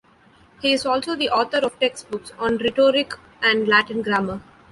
He is also the author of textbooks on rhetoric and Latin grammar.